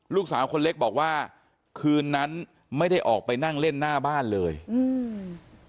ลูกสาวคนเล็กบอกว่าคืนนั้นไม่ได้ออกไปนั่งเล่นหน้าบ้านเลยอืม